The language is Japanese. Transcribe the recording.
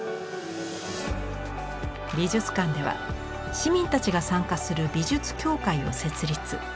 美術館では市民たちが参加する美術協会を設立。